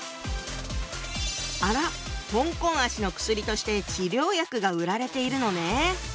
あら「香港脚」の薬として治療薬が売られているのね。